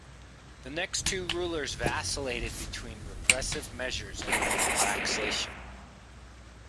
The next two rulers vacillated between repressive measures and their relaxation.